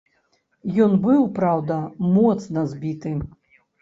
Ён быў, праўда, моцна збіты.